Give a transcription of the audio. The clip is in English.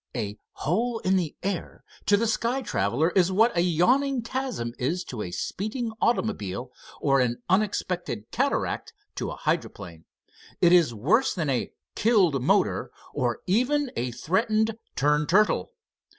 A "hole in the air" to the sky traveler is what a yawning chasm is to a speeding automobile or an unexpected cataract to a hydroplane. It is worse than a "killed" motor or even a threatened "turn turtle."